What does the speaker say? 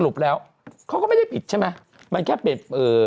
สรุปแล้วเขาก็ไม่ได้ปิดใช่ไหมมันแค่เป็น